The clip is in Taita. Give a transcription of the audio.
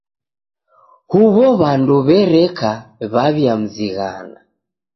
Huw'o w'andu w'ereka w'aw'iamzighana.